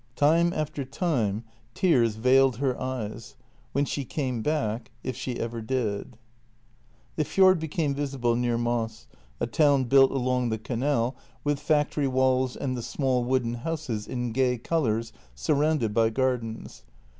Time after time tears veiled her eyes; when she came back — if she ever did. ... The fjord became visible near Moss, a town built along the JENNY 235 canal, with factory walls and the small wooden houses in gay colours surrounded by gardens.